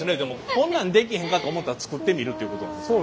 こんなん出来へんかと思ったら作ってみるっていうことなんですか？